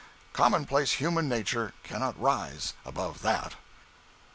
Commonplace human nature cannot rise above that.